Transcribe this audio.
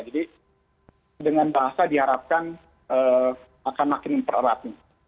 jadi dengan bahasa diharapkan akan makin mempererah